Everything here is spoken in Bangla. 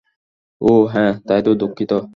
ও হ্যাঁ, তাই তো, দুঃখিত!